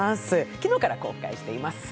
昨日から公開しています。